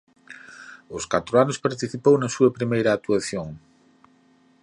Aos catro anos participou na súa primeira actuación.